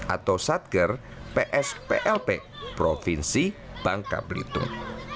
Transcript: atau satger psplp provinsi bangka belitung